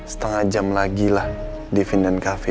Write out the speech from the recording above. setengah jam lagi lah di vindent cafe